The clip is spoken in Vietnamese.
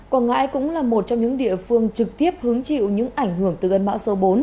quảng ngãi cũng là một trong những địa phương trực tiếp hứng chịu những ảnh hưởng từ cơn bão số bốn